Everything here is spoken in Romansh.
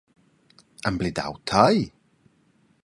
Emblidau tei?